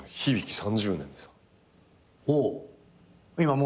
３０年で。